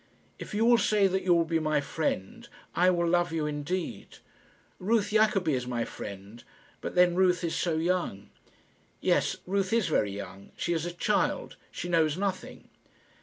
If you will say that you will be my friend, I will love you indeed. Ruth Jacobi is my friend; but then Ruth is so young." "Yes, Ruth is very young. She is a child. She knows nothing."